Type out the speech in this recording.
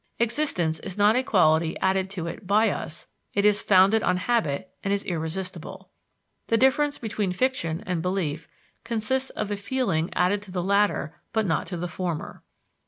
Existence is not a quality added to it by us; it is founded on habit and is irresistible. The difference between fiction and belief consists of a feeling added to the latter but not to the former.